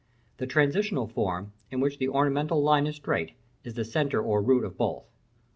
The transitional form, in which the ornamental line is straight, is the centre or root of both.